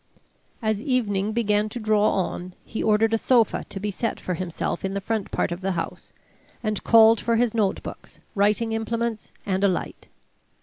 As evening began to draw on, he ordered a sofa to be set for himself in the front part of the house, and called for his notebooks, writing implements, and a light.